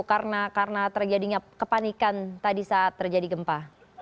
karena terjadinya kepanikan tadi saat terjadi gempa